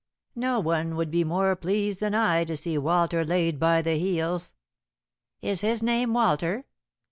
No one would be more pleased than I to see Walter laid by the heels." "Is his name Walter?"